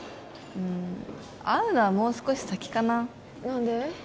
うん会うのはもう少し先かな何で？